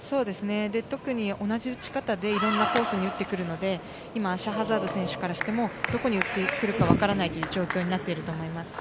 特に同じ打ち方で色んなコースに打ってくるので今、シャハザードからしてもどこに打ってくるかわからないという状況になっていると思います。